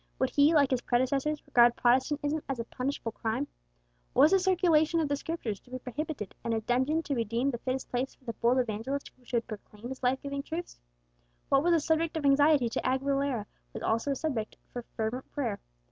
Would he, like his predecessors, regard Protestantism as a punishable crime? Was the circulation of the Scriptures to be prohibited, and a dungeon to be deemed the fittest place for the bold evangelist who should proclaim its life giving truths? What was a subject of anxiety to De Aguilera was also a subject for fervent prayer.